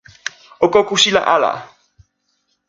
o kokosila ala!